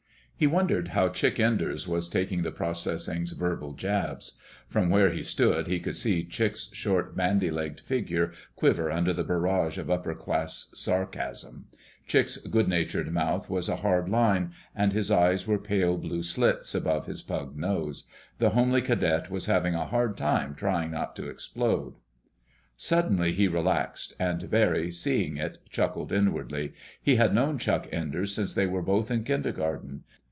He wondered how Chick Enders was taking the processor's verbal jabs. From where he stood he could see Chick's short, bandy legged figure quiver under the barrage of upperclass sarcasm. Chick's good natured mouth was a hard line, and his eyes were pale blue slits above his pug nose. The homely cadet was having a hard job trying not to explode. Suddenly he relaxed, and Barry, seeing it, chuckled inwardly. He had known Chick Enders since they were both in kindergarten.